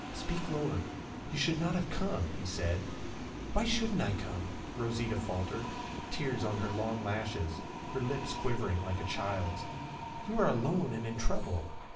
'Speak lower. You should not have come,' he said. 'Why shouldn't I come?' Rosita faltered, tears on her long lashes, her lips quivering like a child's. 'You are alone and in trouble.'